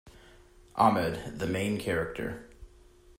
Ahmed: The main character.